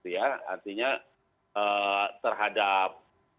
ya artinya terhadap